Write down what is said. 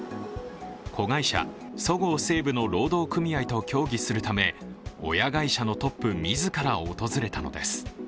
子会社そごう・西武の労働組合と協議するため、親会社のトップ自ら訪れたのです。